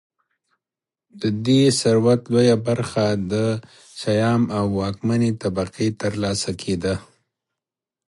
د دې ثروت لویه برخه د شیام او واکمنې طبقې ترلاسه کېده